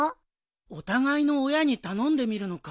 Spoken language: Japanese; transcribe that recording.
お互いの親に頼んでみるのか。